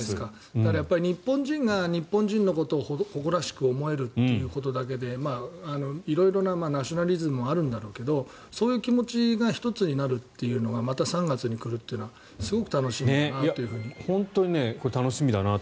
だから、日本人が日本人のことを誇らしく思えるということだけで色々なナショナリズムもあるんだろうけどそういう気持ちが一つになるというのはまた３月に来るというのはすごく楽しみだなと。